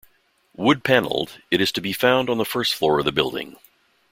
Wood panelled, it is to be found on the first floor of the building.